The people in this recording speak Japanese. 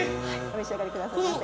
お召し上がりください。